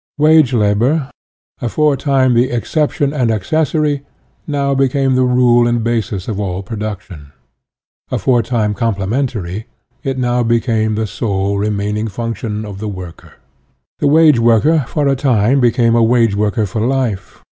Wage labor, afore time the exception and accessory, now be came the rule and basis of all production; aforetime complementary, it now became the sole remaining function of the worker. UTOPIAN AND SCIENTIFIC IO5 The wage worker for a time became a wage worker for life.